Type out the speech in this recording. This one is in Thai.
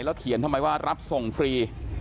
เขียนทำไมว่ารับส่งฟรี